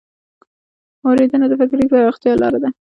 اورېدنه د فکري پراختیا لار ده